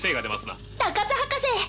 高津博士！